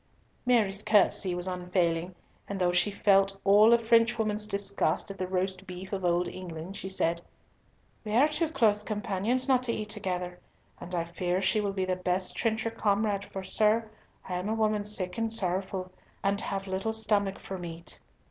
Mary's courtesy was unfailing, and though she felt all a Frenchwoman's disgust at the roast beef of old England, she said, "We are too close companions not to eat together, and I fear she will be the best trencher comrade, for, sir, I am a woman sick and sorrowful, and have little stomach for meat."